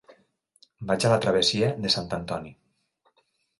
Vaig a la travessia de Sant Antoni.